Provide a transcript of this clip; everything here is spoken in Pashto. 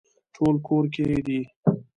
ټول کور کې دي